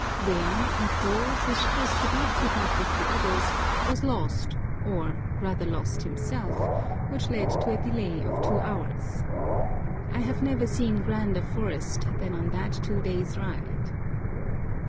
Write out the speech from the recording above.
There Ito, whose horse could not keep up with the others, was lost, or rather lost himself, which led to a delay of two hours. I have never seen grander forest than on that two days' ride.